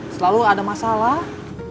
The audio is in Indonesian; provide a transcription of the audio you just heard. selalu ada masalah